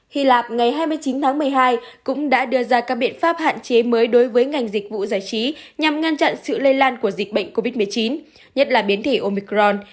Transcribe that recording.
hy lạp ngày hai mươi chín tháng một mươi hai cũng đã đưa ra các biện pháp hạn chế mới đối với ngành dịch vụ giải trí nhằm ngăn chặn sự lây lan của dịch bệnh covid một mươi chín nhất là biến thể omicron